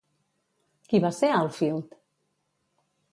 Qui va ser Alfhild?